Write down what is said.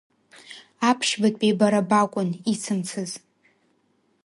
Аԥшьбатәи бара бакәын, ицымцаз.